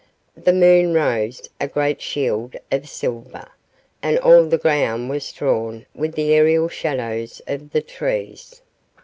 The moon rose, a great shield of silver, and all the ground was strewn with the aerial shadows of the trees.